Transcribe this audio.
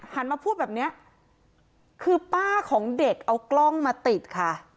มาพูดแบบเนี้ยคือป้าของเด็กเอากล้องมาติดค่ะ